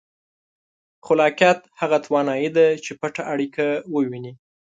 خلاقیت هغه توانایي ده چې پټه اړیکه ووینئ.